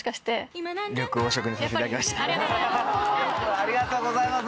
ありがとうございます！